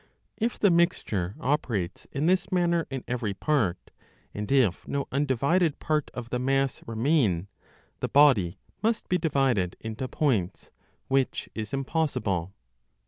If the mixture operates in this manner in every part, and if no undivided part of the mass remain, the body must be divided into points, which is impossible.